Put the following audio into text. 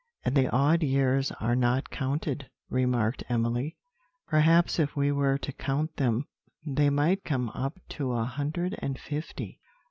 "And the odd years are not counted," remarked Emily: "perhaps if we were to count them they might come up to a hundred and fifty."